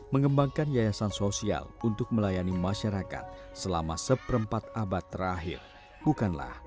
mengembangkan yayasan sosial untuk melayani masyarakat selama seperempat abad terakhir bukanlah